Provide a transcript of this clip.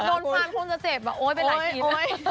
โดนฟันคงจะเจ็บเพราะว่าโอ้ยไปหลายทีหล่ะ